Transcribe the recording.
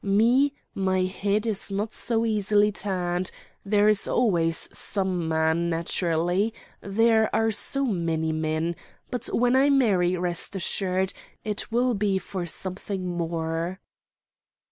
"Me, my head is not so easily turned. There is always some man, naturally—there are so many men!—but when I marry, rest assured, it will be for something more."